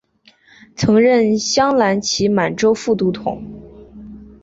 曾任镶蓝旗满洲副都统。